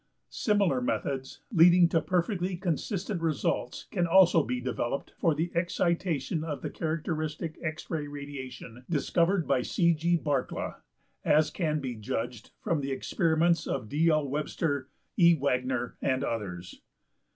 Similar methods leading to perfectly consistent results can also be developed for the excitation of the characteristic X ray radiation discovered by C.~G.~Barkla, as can be judged from the experiments of D.~L.~Webster, E.~Wagner, and others.